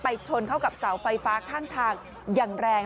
ชนเข้ากับเสาไฟฟ้าข้างทางอย่างแรง